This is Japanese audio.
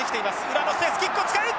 裏のスペースキックを使う！